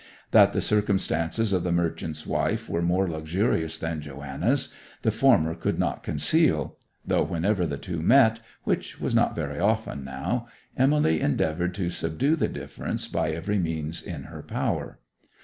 That the circumstances of the merchant's wife were more luxurious than Joanna's, the former could not conceal; though whenever the two met, which was not very often now, Emily endeavoured to subdue the difference by every means in her power.